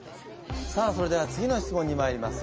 さあそれでは次の質問にまいります。